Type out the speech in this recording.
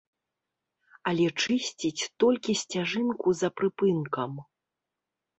Але чысціць толькі сцяжынку за прыпынкам.